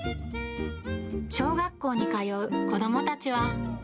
小学校に通う子どもたちは。